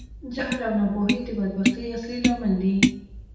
جهل او ناپوهۍ د بدبختي اصلی لامل دي.